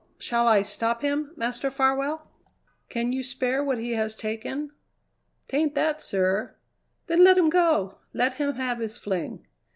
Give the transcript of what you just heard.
"Shall I stop him, Master Farwell?" "Can you spare what he has taken?" "'Tain't that, sir." "Then let him go! Let him have his fling."